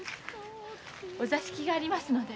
お座敷がありますので。